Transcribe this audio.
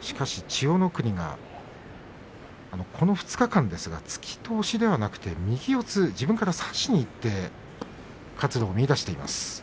しかし千代の国がこの２日間突きと押しではなくて右四つ、自分から差しにいって活路を見いだしています。